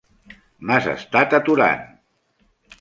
M'has estat aturant.